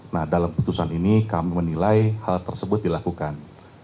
nah dalam putusan ini kami menilai hal tersebut dilakukan